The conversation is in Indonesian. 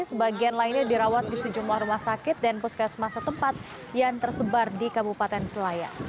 sebagian lainnya dirawat di sejumlah rumah sakit dan puskesmas setempat yang tersebar di kabupaten selayar